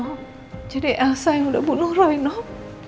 noh jadi elsa yang udah bunuh roy noh